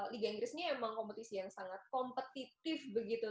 liga inggris ini emang kompetisi yang sangat kompetitif begitu